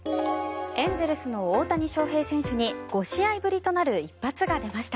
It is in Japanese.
エンゼルスの大谷翔平選手に５試合ぶりとなる一発が出ました。